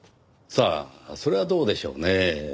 さあそれはどうでしょうねぇ。